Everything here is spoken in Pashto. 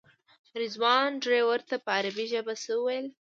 رضوان ډریور ته په عربي ژبه څه وویل.